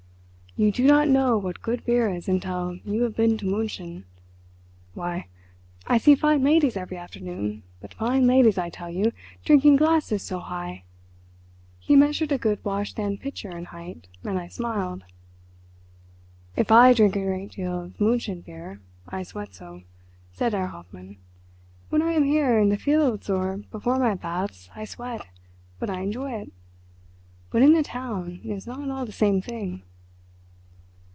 You do not know what good beer is until you have been to München. Why, I see fine ladies every afternoon, but fine ladies, I tell you, drinking glasses so high." He measured a good washstand pitcher in height, and I smiled. "If I drink a great deal of München beer I sweat so," said Herr Hoffmann. "When I am here, in the fields or before my baths, I sweat, but I enjoy it; but in the town it is not at all the same thing."